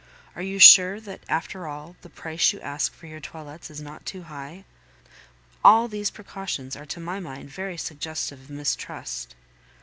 Are you sure that, after all, the price you ask for your toilets is not too high? All these precautions are to my mind very suggestive of mistrust.